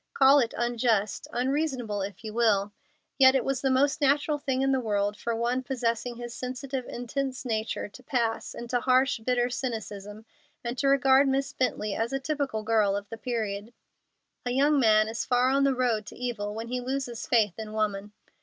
Call it unjust, unreasonable, if you will, yet it was the most natural thing in the world for one possessing his sensitive, intense nature to pass into harsh, bitter cynicism, and to regard Miss Bently as a typical girl of the period. A young man is far on the road to evil when he loses faith in woman.